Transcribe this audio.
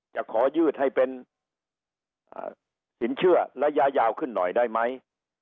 จะขอยืดให้เป็นสินเชื่อระยะยาวขึ้นหน่อยได้ไหม